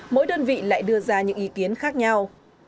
mỗi đơn vị lại đưa ra những ý kiến khác nhau